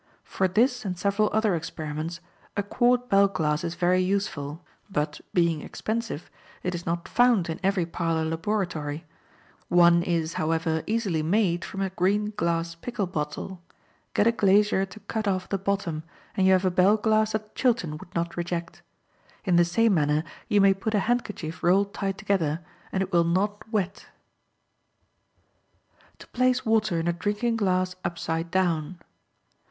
For this and several other experiments, a quart bell glass is very useful, but, being expensive, it is not found in every parlor laboratory; one is, however, easily made from a green glass pickle bottle; get a glazier to cut off the bottom, and you have a bell glass that Chilton would not reject. In the same manner you may put a handkerchief rolled tight together, and it will not wet. To Place Water in a Drinking Glass Upside Down.